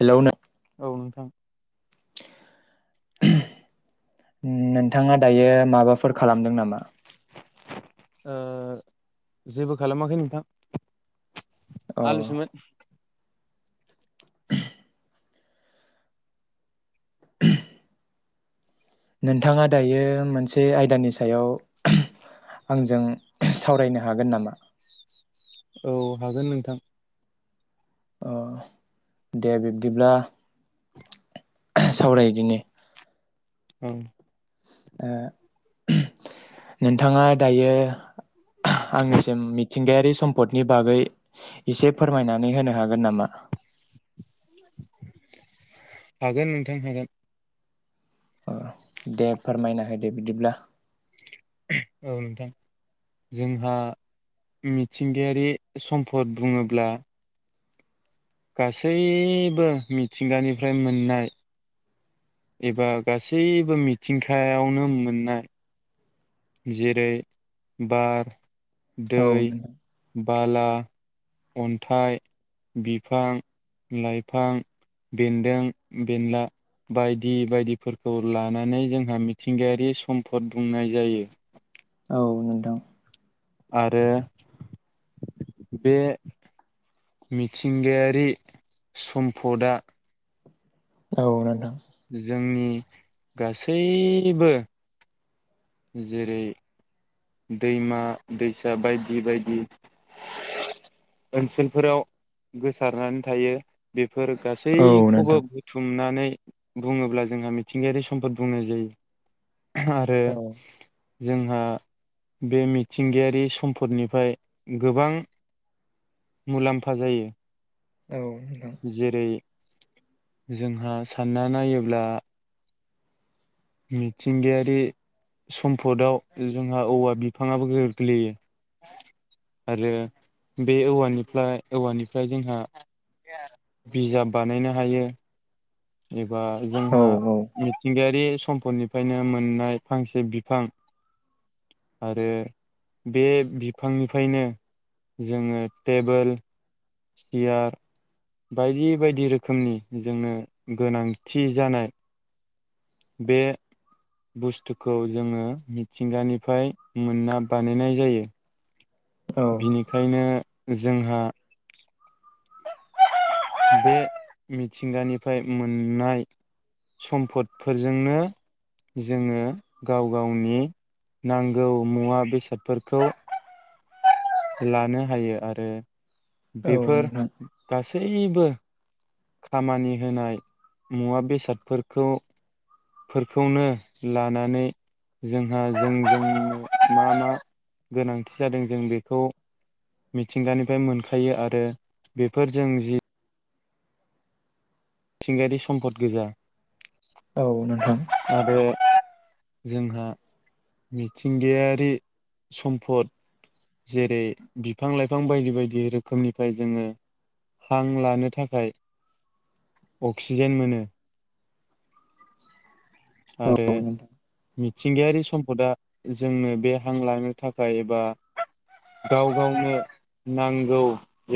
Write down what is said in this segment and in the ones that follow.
Hello नों औ नोंथां नोंथाङा दायो माबाफोर खालामदों नामा? ओ जेबो खालामाखै नोंथां। अ आलु सोमोन [inaudible] नोंथाङा दायो मोनसे आयदानि सायाव आंजों सावरायनो हागोन नामा? औ हागोन नोंथां। अ दे बिब्दिब्ला सावरायदिनि औ ओ नोंथाङा दायो आंनिसिम मि थिंगायारि सम्पदनि बागै एसे फोरमायनानै होनो हागोन नामा? हागोन नोंथां हागोन। अ दे फोरमायना हो दे बिदिब्ला औ नोंथां जोंहा मिथिंगायारि सम्पद बुङोब्ला गासैबो मिथिंगानिफ्राय मोननाय एबा गासैबो मिथिंगायावनो मोननाय जेरै बार दै औ बाला, अन्थाइ, बिफां, लाइफां, बेन्दों बेनला बायदि बायदिफोरखौ लानानै जोंहा मिथिंगायारि सम्फद बुंनाय जायो। नोंथां आरो बे मिथिंगायारि सम्पदआ औ नोंथां जोंनि गासैबो जेरै दैमा दैसा बायदि बायदि ओनसोलफोराव गोसारनानै थायो बे फोर औ गासैखौबो नोंथां बुथुमनानै बुङोब्ला जोंहा मिथिंगायारि सम्पद बुंनाय जायो। आरो औ जोंहा बे मिथिंगायारि सम्पदनिफ्राय गोबां मुलाम्फा जायो। नोंथां जेरै जोंहा सानना नायोब्ला मिथिंगायारि सम्फदाव जोंहा औवा बिफाङाबो गोग्लैयो आरो बे औवानिफ्ला औवानिफ्राय जोंहा बिजाब बानायनो हायो। एबा औ जोंहा मिथिंगायारि सम्पदनिफ्रायनो मोननाय फांसे बिफां आरो बे बिफांनिफ्रायनो जोङो टेबोल सियार बायदि बायदि रोखोमनि जोंनो गोनांथि जानाय बे बुस्थुखौ जोङो मिथिंगानिफ्राय मोनना बानायनाय जायो। नोंथां औ बिनिखायनो जोंहा बे मिथिंगानिफ्राय मोननाय सम्पदफोरजोंनो जोङो गाव गावनि नांगौ मुवा बेसादफोरखौ लानो हायो आरो औ बेफोर नोंथां गासै जैबो खामानि होनाय मुवा बेसादफोरखौ फोरखौनो लानानै जोंहा जोंजोंनो मा मा गोनांथि जादों जों बेखौ मिथिंगानिफ्राय मोनखायो आरो बेफोरजों जि थिंगारि सम्पद गोजा औ नोंथां आरो जोंहा मिथिंगायारि सम्फद जेरै बिफां लाइफां बायदि बायदि रोखोमनिफ्राय जोंङो हां लानो थाखाय अक्सिजेन मोनो औ आरो नोंथां मिथिंगायारि सम्पदा जोंनो बे हां लानो थाखाय एबा गाव गावनो नांगौ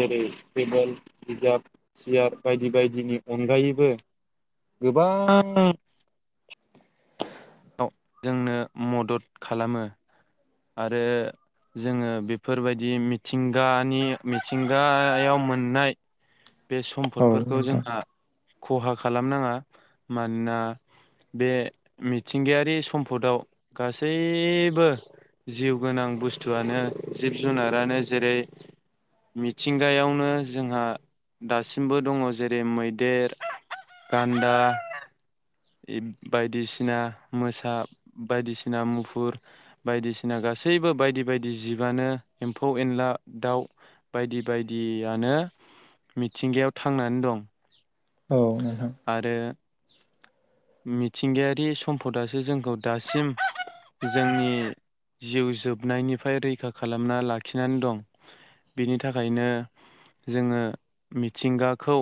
जेरै टेबोल बिजाब सियार बायदि बायदिनि अनगायैबो गोबां जोंनो मदद खालामो आरो जोंङो बेफोरबायदि मिथिंगानि मिथिंगायाव मोननाय बे औ सम्फदफोरखौ नोंथां जोंहा खहा खालामनांङा मानोना बे मिथिंगायारि सम्पदाव गासैबो जिउ गोनां बुस्थुआनो जिब जुनारानो जेरै मिथिंगायावनो जोंहा दासिमबो दङ जेरै मैदेर गान्दा बायदिसिना मोसा बायदिसिना मुफुर बायदिसि ना गासैबो बायदि बायदि जिबआनो एम्फौ एनला दाउ बायदि बायदियानो मिथिंगायाव थांनानै दं औ नोंथां आरो मिथिंगायारि सम्पदासो जोंखौ दासिम जोंनि जिउ जोबनायनिफ्राय रैखा खालामना लाखिनानै दं बेनि थाखायनो जोंङो मिथिंगाखौ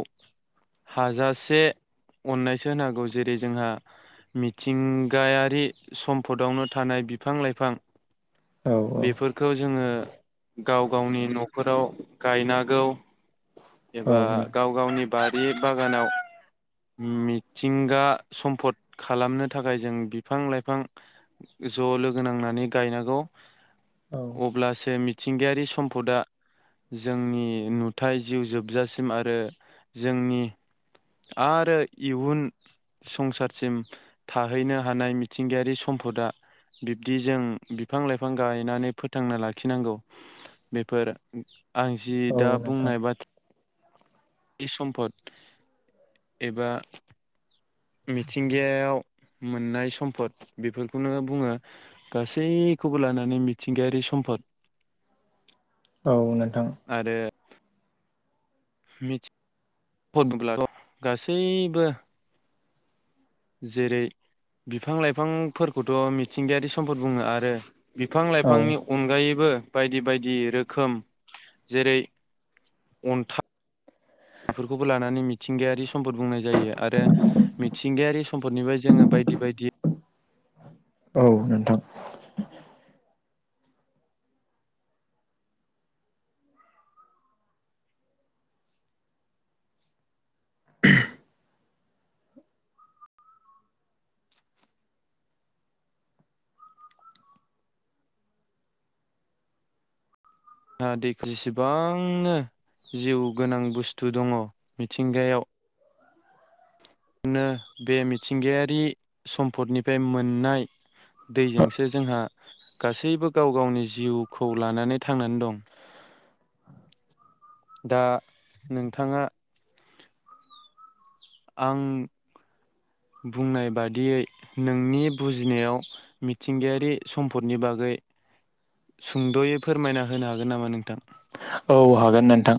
हाजासे अननायसो होनागौ जेरै जोंहा मिथिंगायारि सम्पदावनो थानाय बिफां लाइफां औ औ बेफोरखौ जोंङो गाव गावनि नखराव गायनांगौ औ एबा नोंथां गाव गावनि बाद बे बागानाव मिथिंगा सम्फद खालामनो थाखाय जों बिफां लाइफां ज' लोगो नांनानै गायनांगौ औ अब्लासो मि मिथिंगायारि सम्पदा जोंनि नुथाय जिउ जोबजासिम आरो जोंनि आरो इयुन संसारसिम थाहैनो हानाय मिथिंगायारि सम्फदा बिब्दि जों बिफां लाइफां गायनानै फोथांना लाखिनांगौ बेफोर आं जि दा औ नोंथां बुंनाय बा इ सम्पद एबा मिथिंगायाव मोननाय सम्पद बेफोरखौ नोंङो बुंङो गासैखौबो लानानै मिथिंगायारि सम्पद औ नोंथां मेथि हरनोब्ला' गासैबो आरो जेरै बिफां लाइफांफोरखौथ मिथिंगायारि सम्पद बुंङो आरो बिफां औ लाइफांनि अनगायैबो बायदि बायदि रोखोम जेरै अन्था बेफोरखौबो लानानै मिथिंगायारि सम्पद बुंनाय जायो आरो मिथिंगायारि सम्पदनिफ्राय जोंङो बायदि बायदि औ नोंथां जोंहा दै जेसेबांनो जिउ गोनां बुस्थु दंङ मिथिंगायाव नो बे मिथिंगायारि सम्पदनिफ्राय मोननाय दैजोंसो जोंहा गासैबो गाव गावनि जिउखौ लानानै थांनानै दं दा नोंथाङा आं बुंनाय बादियै नोंनि बुजिनायाव मिथिंगायारि सम्पदनि बागै सुंदयै फोरमायना होनो हागोन नामा नोंथां औ हागोन नोंथां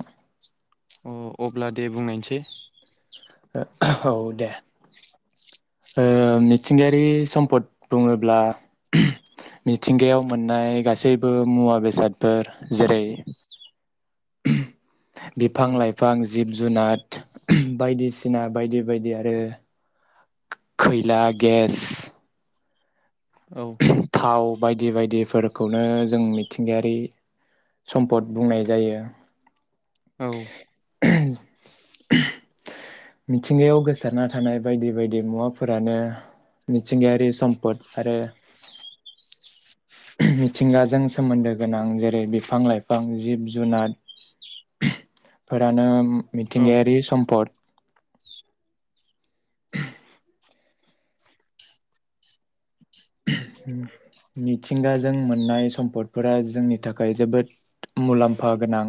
अ अब्ला दे बुंनायथि औ दे ओ मिथिंगायारि सम्पद बुङोब्ला मिथिंगायाव मोननाय गासैबो मुवा बेसादफोर जेरै बिफां औ लाइफां जिब जुनाद बायदिसिना बायदि बायदि आरो खैला गेस औ थाव बायदि बायदिफोरखौनो जों मिथिंगायारि सम्पद बुंनाय जायो औ मिथिंगायाव गोसारना थानाय बायदि बायदि मुवाफोरानो मिथिंगायारि सम्पद आरो मिथिंगाजों सोमोन्दो गोनां जेरै बि फां लाइफां जिब जुनारफोरानो औ मिथिंगायारि सम्पद मिथिंगाजों मोननाय सम्पदफोरा जोंनि थाखाय जोबोद मुलाम्फा गोनां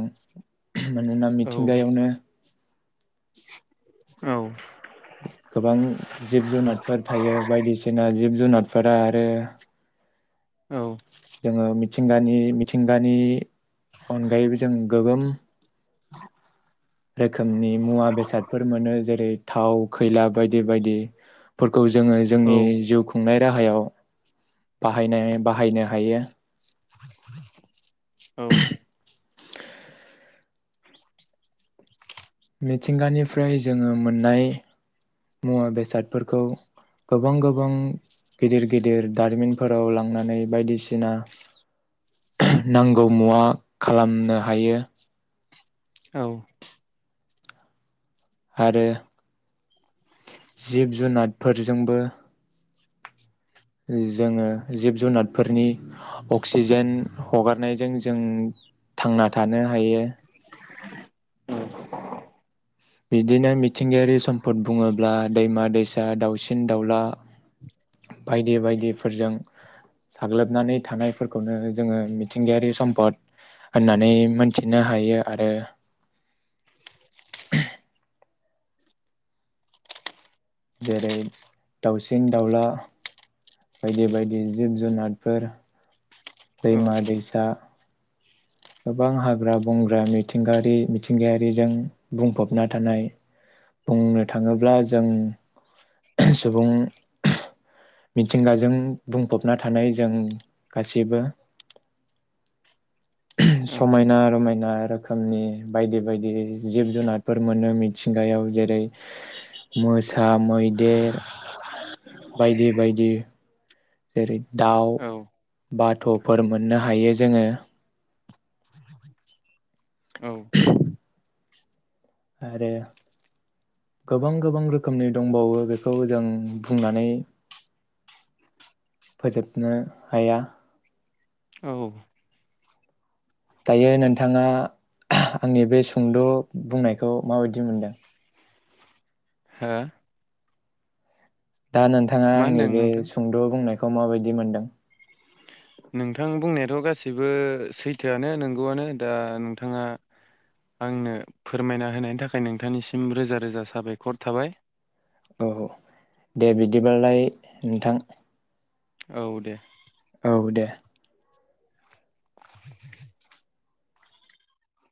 मानोना औ मिथिंगायावनो औ गोबां जिब जुनाद फोर थायो बायदिसिना जिब जुनारफोरा आरो औ जोङो मिथिंगानि मिथिंगानि अनगायैबो जों गोबां रोखोमनि मुवा बेसादफोर मोनो जेरै थाव खैला बायदि बायदिफोरखौ जोङो औ जोंनि जिउ खुंनाय राहायाव बाहायनाय बाहायनो हायो मिथिंगानिफ्राय जोङो मोननाय मुवा बेसादफोरखौ गोबां गोबां गिदिर गिदिर दारिमिनफोराव लांनानै बायदिसिना नांगौ मुवा खालामनो हायो औ आरो जिब जुनादफोरजोंबो जोङो जिब जुनादफोरनि अक्सिजेन हगारनायजों जों थांना थानो हायो बिदिनो मिथिंगायारि सम्पद बुङोब्ला दैमा दैसा दाउसिन दाउला बायदि बायदिफोरजों साग्लोबनानै थानायफोरखौनो जोङो मिथिंगायारि सम्पद होननानै मोनथिनो हायो आरो जेरै दाउसिन दाउला बायदि बायदि जिब जुनादफोर दैमा दैसा गोबां हाग्रा बंग्रा मिथिंगायारि मिथिंगायारिजों बुंफबना थानाय बुंनो थाङोब्ला जों सुबुं मिथिंगाजों बुंफबना थानाय जों गा सैबो समायना रमायना रोखोमनि बायदि बायदि जिब जुनारफोर मोनो मिथिंगायाव जेरै मोसा मैदेर बायदि बायदि जेरै दाउ औ बाथ'फोर मोननो हायो जोङो औ आरो गोबां गोबां रोखोमनि दंबावो बेखौ जों बुंनानै फोजोबनो हाया औ दायो नोंथाङा आंनि बे सुंद बुंनायखौ माबायदि मोनदों हो दा नोंथाङा मा आंनि होनदों बे नोंथां सुंद' बुंनाय खौ माबायदि मोनदों नोंथां बुंनायाथ' गासैबो सैथोआनो नंगौआनो दा नोंथाङा आंनो फोरमायना होनायनि थाखाय नोंथांनिसिम रोजा रोजा साबायखर थाबाय औ दे बिदिबालाय नोंथां। औ दे। औ दे।